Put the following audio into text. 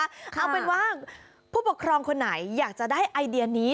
เอาเป็นว่าผู้ปกครองคนไหนอยากจะได้ไอเดียนี้